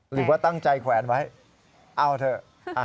หรือว่าตั้งใจแขวนไว้เอาเถอะ